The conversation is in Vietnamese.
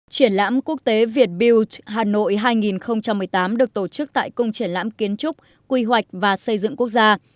triển lãm quốc tế việt build hà nội hai nghìn một mươi tám được tổ chức tại cung triển lãm kiến trúc quy hoạch và xây dựng quốc gia